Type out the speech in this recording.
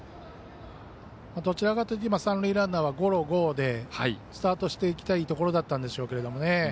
どちらかというと今は三塁ランナーはゴロゴーでスタートしていきたいところだったんでしょうけどね。